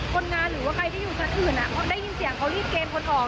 คนงานหรือว่าใครที่อยู่ชั้นอื่นเขาได้ยินเสียงเขารีบเกมคนออก